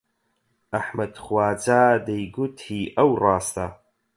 ئەحمەد خواجا دەیگوت هی ئەو ڕاستە